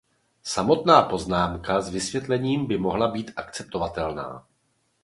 Samostatná poznámka s vysvětlením by mohla být akceptovatelná.